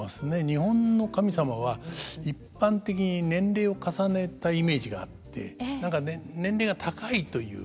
日本の神様は一般的に年齢を重ねたイメージがあって何か年齢が高いという。